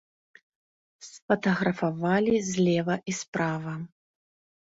Сфатаграфавалі злева і справа.